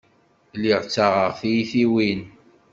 Lliɣ ttaɣeɣ tiyitiwin.